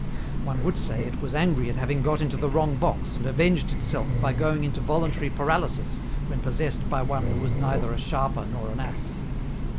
One would say it was angry at having got into the wrong box and avenged itself by going into voluntary paralysis when possessed by one who was neither a sharper nor an ass.